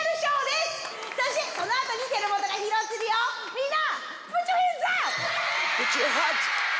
みんな！